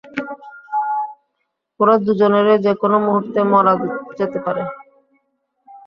ওরা দুজনেরই যেকোনো মুহুর্তে মারা যেতে পারে।